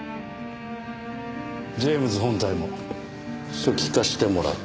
ジェームズ本体も初期化してもらう。